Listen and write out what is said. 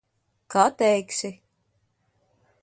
Kā teiksi.